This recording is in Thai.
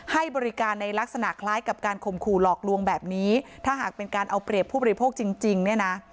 ให้บริการในลักษณะคล้ายกับการข่มขู่หลอกลวงแบบนี้ถ้าหากเป็นการเอาเปรียบผู้บริโภคจริงจริงเนี่ยนะ